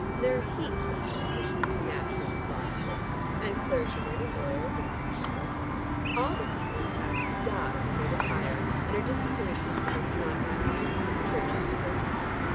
There are heaps of politicians who naturally belong to it, and clergymen and lawyers and nationalists, all the people in fact who die when they retire, and are disappointed when they have not got offices and churches to go to.